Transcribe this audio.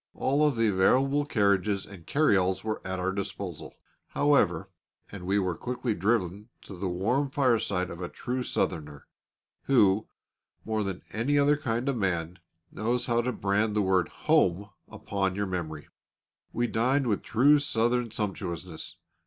All of the available carriages and carry alls were at our disposal, however, and we were quickly driven to the warm fireside of a true Southerner, who, more than any other kind of man, knows how to brand the word "Home" upon your memory. We dined with true Southern sumptuousness.